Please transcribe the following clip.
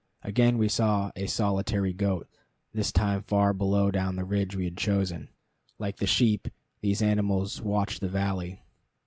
Again we saw a solitary goat, this time far below down the ridge we had chosen. Like the sheep, these animals watch the valley.